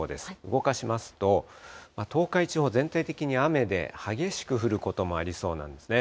動かしますと、東海地方、全体的に雨で、激しく降ることもありそうなんですね。